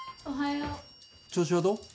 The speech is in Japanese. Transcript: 調子はどう？